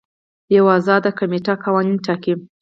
یوه ازاده کمیټه قوانین ټاکي.